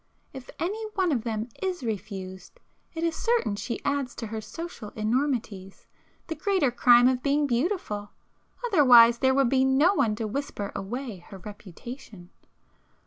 If any one of them is refused, it is certain she adds to her social enormities, the greater crime of being beautiful, otherwise there would be no one to whisper away her reputation!